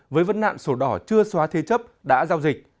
với vấn nạn sổ đỏ chưa xóa thế chấp đã giao dịch